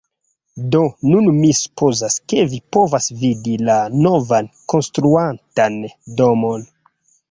Do, nun mi supozas, ke vi povas vidi la novan, konstruatan domon